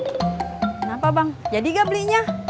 kenapa bang jadi gak belinya